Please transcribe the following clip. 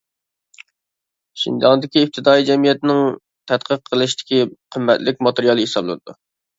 شىنجاڭدىكى ئىپتىدائىي جەمئىيەتنىڭ تەتقىق قىلىشتىكى قىممەتلىك ماتېرىيال ھېسابلىنىدۇ.